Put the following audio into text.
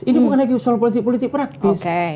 ini bukan lagi soal politik politik praktis